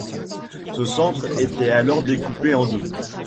Ce centre était alors découpé en deux.